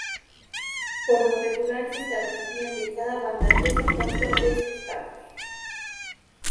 Por lo regular, se establecían de cada banda tres o cuatro de estos tacos.